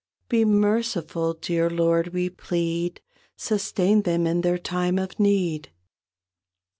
"Be merciful, dear Lord," we plead, "Sustain them in their time of need."